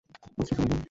অস্ত্র ফেলে দিন।